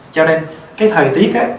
cho nên cái thời tiết á